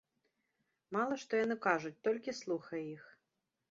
Мала што яны кажуць, толькі слухай іх!